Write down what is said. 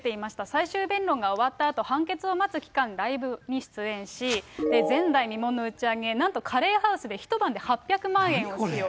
最終弁論が終わったあと、判決を待つ期間、ライブに出演し、前代未聞の打ち上げ、なんとカレーハウスで一晩で８００万円を使用。